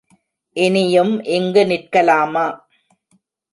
இனியும் இங்கு நிற்கலாமா!